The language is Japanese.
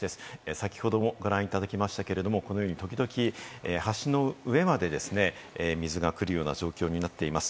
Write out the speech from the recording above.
先ほどもご覧いただきましたけれど、このようにときどき橋の上まで水が来るような状況になっています。